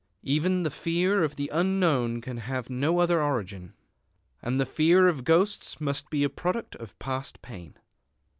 Even the fear of the unknown can have no other origin. And the fear of ghosts must be a product of past pain.